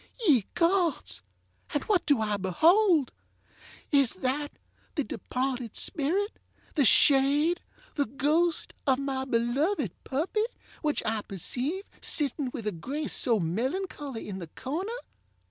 Ye gods! and what do I beholdŌĆöis that the departed spirit, the shade, the ghost, of my beloved puppy, which I perceive sitting with a grace so melancholy, in the corner?